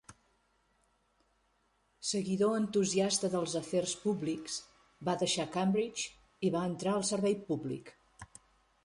Seguidor entusiasta dels afers públics, va deixar Cambridge i va entrar al servei públic.